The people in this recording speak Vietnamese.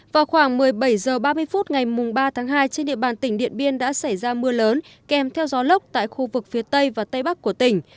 vào khoảng một mươi bảy h ba mươi phút ngày ba tháng hai trên địa bàn tỉnh điện biên đã xảy ra mưa lớn kèm theo gió lốc tại khu vực phía tây và tây bắc của tỉnh